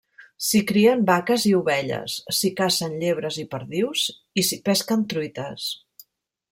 S'hi crien vaques i ovelles, s'hi cacen llebres i perdius i s'hi pesquen truites.